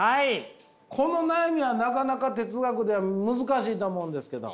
この悩みはなかなか哲学では難しいと思うんですけど。